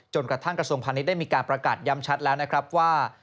จนกระทั่งกระทรวงภัณฑ์นี้ได้มีการประกัดยำชัดแล้วว่า